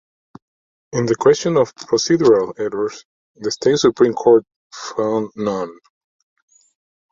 In the question of procedural errors, the state Supreme Court found none.